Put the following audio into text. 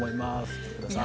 来てください！